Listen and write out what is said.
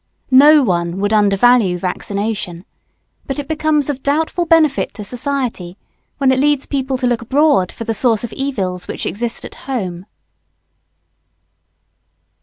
No one would undervalue vaccination; but it becomes of doubtful benefit to society when it leads people to look abroad for the source of evils which exist at home.